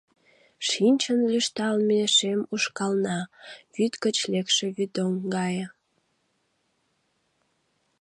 Шинчын лӱшталме шем ушкална — вӱд гыч лекше вӱдоҥ гае.